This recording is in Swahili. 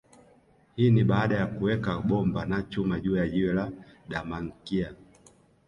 Hii ni baada ya kuweka bomba na chuma juu ya jiwe la Damankia